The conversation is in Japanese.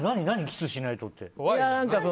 キスしないとって。